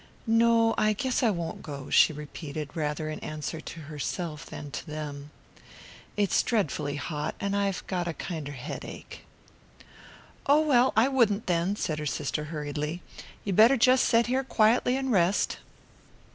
"No, I guess I won't go," she repeated, rather in answer to herself than to them. "It's dreadfully hot and I've got a kinder headache." "Oh, well, I wouldn't then," said her sister hurriedly. "You'd better jest set here quietly and rest."